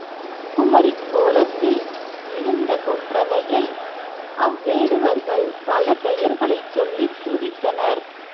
குமரிக் கோலத்தில் இருந்த கொற்றவையை அவ்வேடுவர்கள் பல பெயர்களைச் சொல்லித் துதித்தனர்.